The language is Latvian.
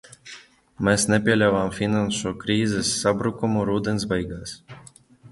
Mēs nepieļāvām finanšu krīzes sabrukumu rudens beigās.